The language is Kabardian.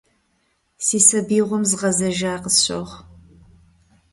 Си сабиигъуэм згъэзэжа къысщохъу.